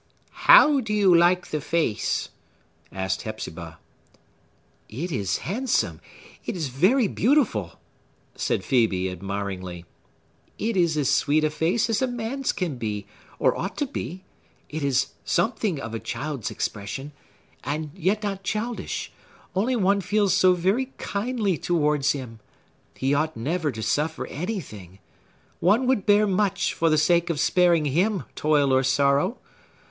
"How do you like the face?" asked Hepzibah. "It is handsome!—it is very beautiful!" said Phœbe admiringly. "It is as sweet a face as a man's can be, or ought to be. It has something of a child's expression,—and yet not childish,—only one feels so very kindly towards him! He ought never to suffer anything. One would bear much for the sake of sparing him toil or sorrow.